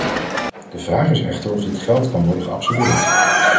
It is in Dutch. De vraag is echter of dit geld kan worden geabsorbeerd.